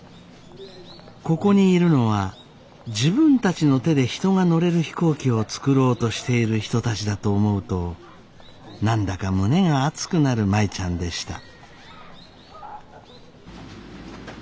ここにいるのは自分たちの手で人が乗れる飛行機を作ろうとしている人たちだと思うと何だか胸が熱くなる舞ちゃんでした。